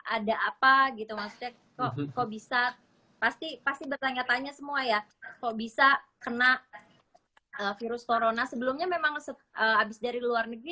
ada apa gitu maksudnya kok bisa pasti pasti bertanya tanya semua ya kok bisa kena virus corona sebelumnya memang abis dari luar negeri